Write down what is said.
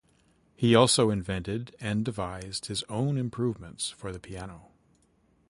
He also invented and devised his own improvements for the piano.